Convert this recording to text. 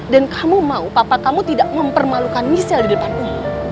kamu mau papa kamu tidak mempermalukan michelle di depan umum